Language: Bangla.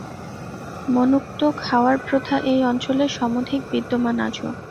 মনূক্ত খাওয়ার প্রথা এই অঞ্চলে সমধিক বিদ্যমান আজও।